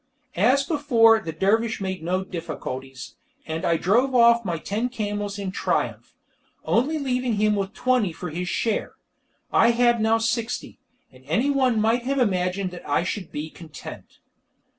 As before, the dervish made no difficulties, and I drove off my ten camels in triumph, only leaving him with twenty for his share. I had now sixty, and anyone might have imagined that I should be content.